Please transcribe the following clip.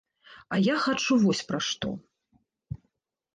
А я хачу вось пра што.